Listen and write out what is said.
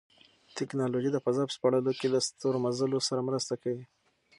تکنالوژي د فضا په سپړلو کې له ستورمزلو سره مرسته کوي.